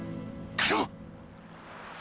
頼む！